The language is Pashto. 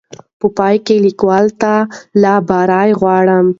په پاى کې ليکوال ته لا بريا غواړم